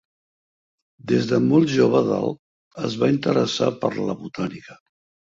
Des de molt jove Dahl es va interessar per la botànica.